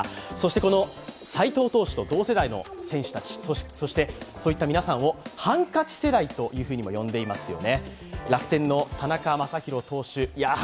この斎藤投手と同世代の選手たちそういった皆さんをハンカチ世代とも呼んでいますよね。